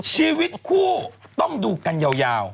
ชีวิตคู่ต้องดูกันยาว